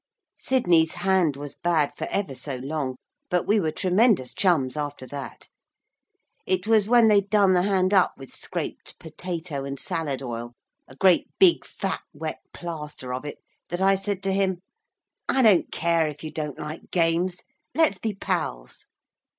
Sidney's hand was bad for ever so long, but we were tremendous chums after that. It was when they'd done the hand up with scraped potato and salad oil a great, big, fat, wet plaster of it that I said to him: 'I don't care if you don't like games. Let's be pals.'